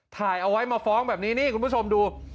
ถ่ายเอาไว้มาฟ้องแบบนี้นี่คุณผู้ชมดู